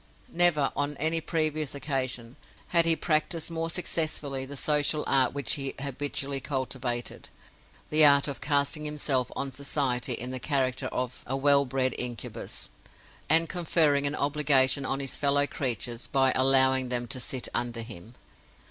Never, on any previous occasion, had he practiced more successfully the social art which he habitually cultivated—the art of casting himself on society in the character of a well bred Incubus, and conferring an obligation on his fellow creatures by allowing them to sit under him.